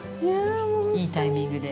いいタイミングで。